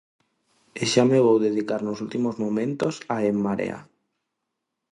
E xa me vou dedicar nos últimos momentos a En Marea.